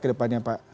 ke depannya pak